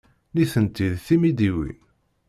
Nitenti d timidiwin.